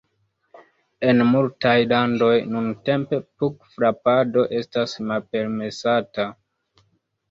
En multaj landoj nuntempe pugfrapado estas malpermesata.